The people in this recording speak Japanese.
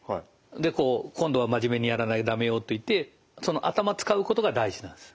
でこう今度は真面目にやらないと駄目よといってその頭使うことが大事なんです。